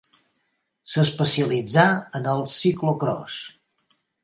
S'especialitzà en el ciclocròs.